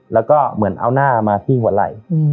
แล้วก็เหมือนเอาหน้ามาที่หัวไหล่